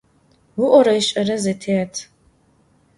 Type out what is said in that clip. Yi'ore yiş'ere zetêt.